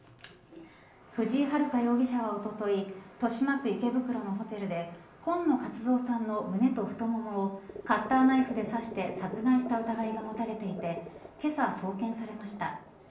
藤井遥容疑者は、おととい豊島区池袋のホテルで今野勝蔵さんの胸と太ももをカッターナイフで刺して殺害した疑いが持たれていてけさ、送検されました。